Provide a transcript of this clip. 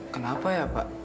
kenapa ya pak